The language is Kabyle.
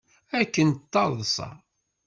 Akken d taḍsa.